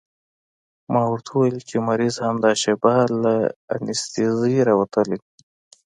ما ورته وويل چې مريض همدا شېبه له انستيزۍ راوتلى.